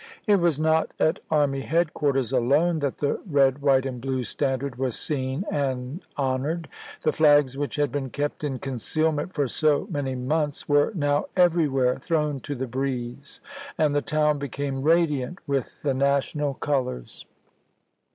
It was not at army headquarters alone that the red white and blue standard was seen and honored. The flags which had been kept in concealment for so many months were now everywhere thrown to the breeze, and the town became radiant with the national colors.